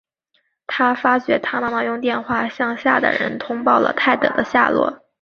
他发觉他妈妈用电话向下等人通报了泰德的下落。